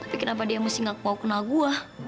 tapi kenapa dia masih gak mau kena gua